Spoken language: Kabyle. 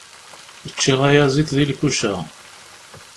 Ččiɣ ayaziḍ di lkuca.